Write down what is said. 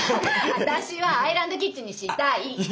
私はアイランドキッチンにしたい。